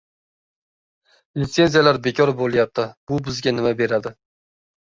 Litsenziyalar bekor bo‘lyapti: bu bizga nima beradi?